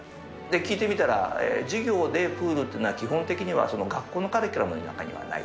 聞いてみたら、授業でプールっていうのが基本的には学校のカリキュラムの中にはない。